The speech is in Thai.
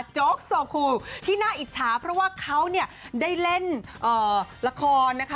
โจ๊กโซคูที่น่าอิจฉาเพราะว่าเขาเนี่ยได้เล่นละครนะคะ